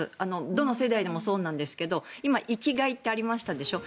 どの世代でもそうなんですけど今、生きがいってありましたでしょ。